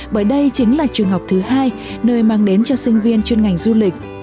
bởi đây chính là trường học thứ hai nơi mang đến cho sinh viên chuyên ngành du lịch